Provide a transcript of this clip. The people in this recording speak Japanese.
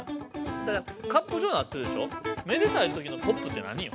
だからカップじょうになってるでしょ？